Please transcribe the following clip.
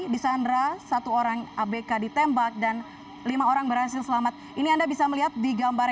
di sandra satu orang abk ditembak dan lima orang berhasil selamat ini anda bisa melihat di gambar